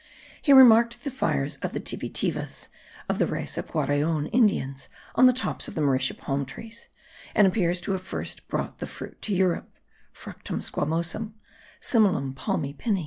He remarked the fires of the Tivitivas (Tibitibies), of the race of the Guaraon Indians, on the tops of the mauritia palm trees; and appears to have first brought the fruit to Europe (fructum squamosum, similem palmae pini).